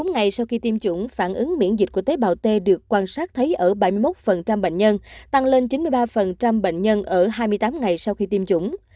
một mươi ngày sau khi tiêm chủng phản ứng miễn dịch của tế bào t được quan sát thấy ở bảy mươi một bệnh nhân tăng lên chín mươi ba bệnh nhân ở hai mươi tám ngày sau khi tiêm chủng